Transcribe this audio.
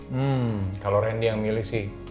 hmm kalau randy yang milih sih